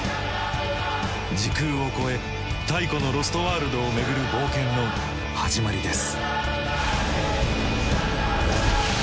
時空を超え太古のロストワールドを巡る冒険の始まりです。